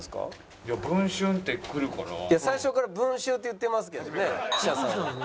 いや最初から「文集」って言ってますけどね記者さん。